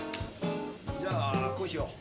じゃあこうしよう。